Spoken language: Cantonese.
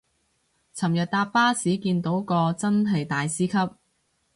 尋日搭巴士見到個真係大師級